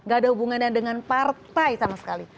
gak ada hubungannya dengan partai sama sekali